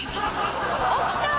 起きた！